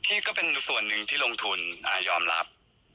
ที่เป็นส่วนหนึ่งที่ลงทุนอายอมรับ